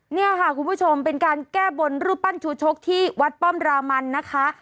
เนี่ยค่ะคุณผู้ชมเป็นการแก้บนรูปปั้นชูชกที่วัดป้อมรามันนะคะ